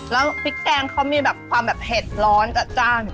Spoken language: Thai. แล้วพริกแกงเขามีแบบความแบบเผ็ดร้อนจัดจ้าน